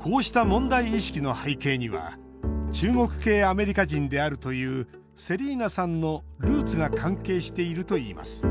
こうした問題意識の背景には中国系アメリカ人であるというセリーナさんのルーツが関係しているといいます。